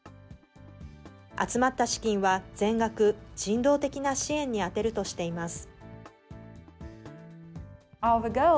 集まった資金は全額、人道的な支援に充てるとしています。